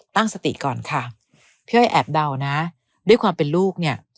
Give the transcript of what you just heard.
ตั้งสติก่อนค่ะพี่อ้อยแอบเดานะด้วยความเป็นลูกเนี่ย